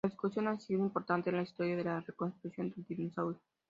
La discusión ha sido importante en la historia de la reconstrucción del dinosaurio.